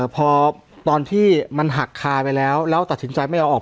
พอตอนที่มันหักคาไปแล้วแล้วตัดสินใจไม่เอาออก